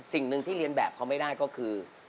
สิ่งหนึ่งที่เรียนแบบเขาไม่ได้ก็คือ